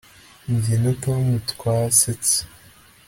jye na tom twasetse